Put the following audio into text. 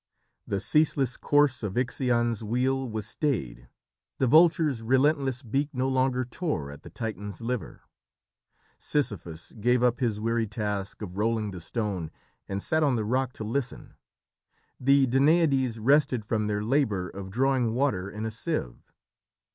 The ceaseless course of Ixion's wheel was stayed, the vulture's relentless beak no longer tore at the Titan's liver; Sisyphus gave up his weary task of rolling the stone and sat on the rock to listen, the Danaïdes rested from their labour of drawing water in a sieve.